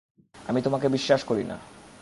আমি তোমাকে বিশ্বাস করিনা।